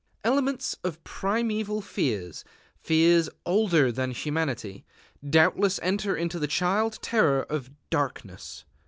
_ Elements of primeval fears fears older than humanity doubtless enter into the child terror of darkness.